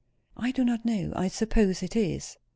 "I do not know. I suppose it is."